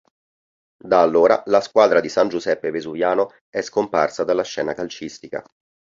Da allora la squadra di San Giuseppe Vesuviano è scomparsa dalla scena calcistica.